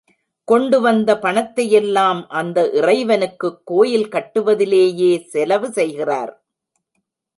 கொண்டு வந்த பணத்தையெல்லாம் அந்த இறைவனுக்குக் கோயில் கட்டுவதிலேயே செலவு செய்கிறார்.